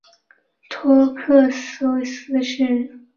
维克托斯贝格是奥地利福拉尔贝格州费尔德基希县的一个市镇。